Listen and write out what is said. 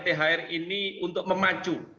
thr ini untuk memacu